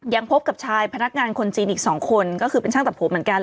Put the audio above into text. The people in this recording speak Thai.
พบกับชายพนักงานคนจีนอีก๒คนก็คือเป็นช่างตัดผมเหมือนกัน